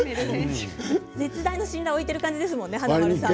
絶大な信頼を置いている感じですね華丸さん。